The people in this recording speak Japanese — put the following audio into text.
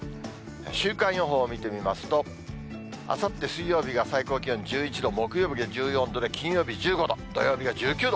週間予報見てみますと、あさって水曜日が最高気温１１度、木曜日が１４度で、金曜日１５度、土曜日が１９度。